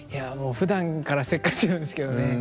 ふだんからせっかちなんですけどね。